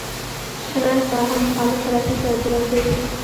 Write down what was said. شنه ساحه مخالف ترافیک سره جلا کوي